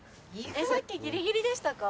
さっきギリギリでしたか？